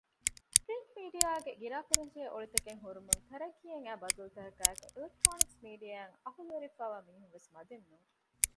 ޕްރިންޓް މީޑިއާގެ ގިރާކުރަންޖެހޭ އޮޅިތަކެއް ހުރުމުން ތަރައްޤީއަށް އައި ބަދަލުތަކާއެކީ އިލެކްޓްރޯނިކްސް މީޑިއާއަށް އަހުލުވެރިވެފައިވާ މީހުންވެސް މަދެއްނޫން